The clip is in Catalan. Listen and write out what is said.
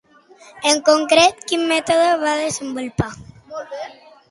En concret, quin mètode va desenvolupar?